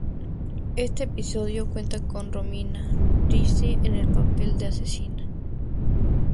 Este episodio cuenta con Romina Ricci en el papel de asesina.